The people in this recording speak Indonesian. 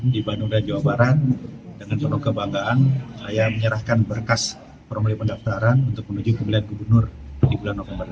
di bandung dan jawa barat dengan penuh kebanggaan saya menyerahkan berkas formuli pendaftaran untuk menuju pemilihan gubernur di bulan november